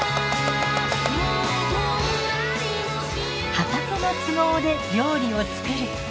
畑の都合で料理を作る。